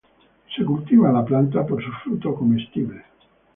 La planta es cultivada por su fruto comestible.